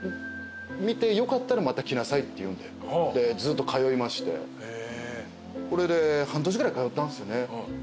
「見てよかったらまた来なさい」って言うんででずっと通いましてそれで半年ぐらい通ったんですよね。